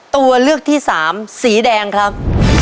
ตัวเลือกที่สามสีแดงครับ